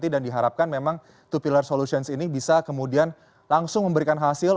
dan diharapkan memang two pillar solutions ini bisa kemudian langsung memberikan hasil